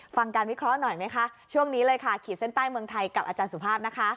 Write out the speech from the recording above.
ฟังการวิเคราะห์หน่อยไหมคะช่วงนี้เลยค่ะขีดเส้นใต้เมืองไทยกับอาจารย์สุภาพนะคะ